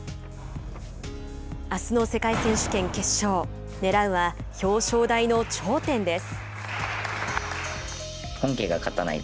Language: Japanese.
あすの世界選手権、決勝ねらうは表彰台の頂点です。